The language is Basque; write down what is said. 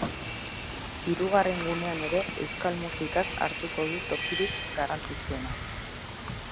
Hirugarren gunean ere euskal musikak hartuko du tokirik garrantzitsuena.